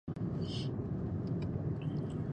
د شخړو حل باید د قانون له لارې وسي.